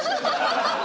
ハハハハ！